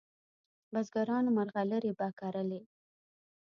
بزګرانو مرغلري په کرلې